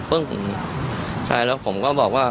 ใช่แล้วผมก็บอกว่า